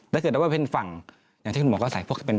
แต่ถ้าไม่เป็นฝั่งอย่างที่คุณหมอก็ใส่